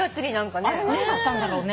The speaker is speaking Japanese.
あれ何だったんだろうね。